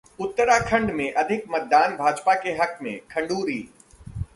उत्तराखंड में अधिक मतदान भाजपा के हक में: खंडूरी